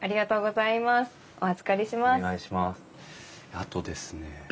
あとですね